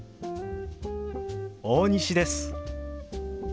大西です。